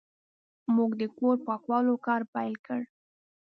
موږ د کور پاکولو کار پیل کړ.